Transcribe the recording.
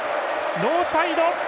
ノーサイド！